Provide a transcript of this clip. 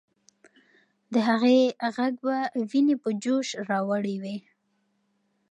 د هغې ږغ به ويني په جوش راوړلې وې.